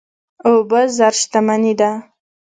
اوبه زر شتمني ده.